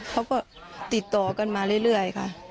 เขาก็ติดต่อกันมาเรื่อยค่ะ